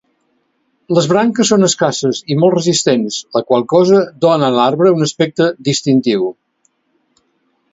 Les branques són escasses i molt resistents, la qual cosa dóna a l'arbre un aspecte distintiu.